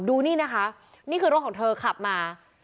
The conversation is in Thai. ดูนี่นะคะนี่คือรถของเธอขับมา